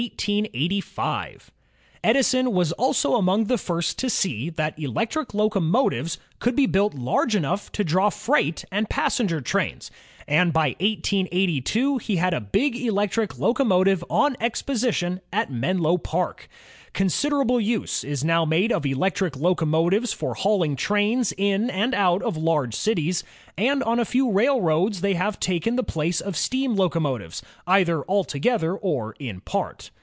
^Cr "^"'v I^^RW^ j^WwNi*!'^ Q =5 ^^^^ 9 AN ELECTRIC LOCOMOTTVE Edison was also among the first to sfie that electric locomotives could be built large enough to draw freight and passenger trains, and by 1882 he had a big electric locomotive on exhibition at Menio Park. Considerable use is now made of electric locomotives for hauling trains in and out of large cities, and on a few railroads they have taken the place of steam locomotives, either altogether or in part.